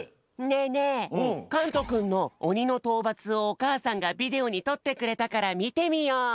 ねえねえかんとくんのオニのとうばつをおかあさんがビデオにとってくれたからみてみよう！